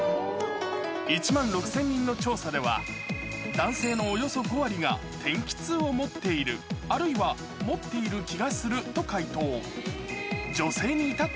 １万６０００人の調査では、男性のおよそ５割が天気痛を持っている、あるいは持っている気がすると回答。